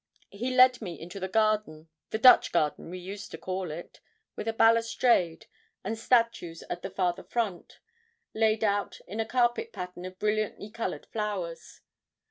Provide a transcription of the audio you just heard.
He led me into the garden the Dutch garden, we used to call it with a balustrade, and statues at the farther front, laid out in a carpet pattern of brilliantly coloured flowers.